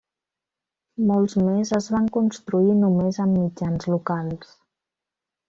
Molts més es van construir només amb mitjans locals.